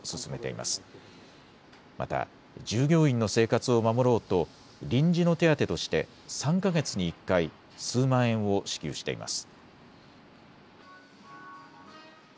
また、従業員の生活を守ろうと、臨時の手当てとして、３か月に１回、数万円を支給しています。